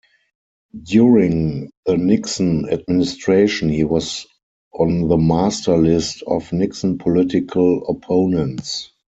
During the Nixon administration, he was on the master list of Nixon political opponents.